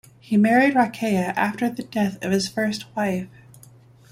He married Rokeya after the death of his first wife.